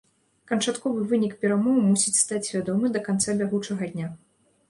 Канчатковы вынік перамоў мусіць стаць вядомы да канца бягучага дня.